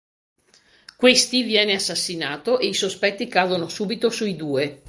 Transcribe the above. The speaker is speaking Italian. Questi viene assassinato, e i sospetti cadono subito sui due.